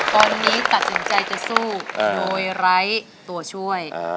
ตอนนี้ตัดสินใจจะสู้โดยไร้ตัวช่วย